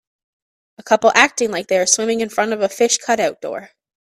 A couple acting like they are swimming in front of a fish cutout door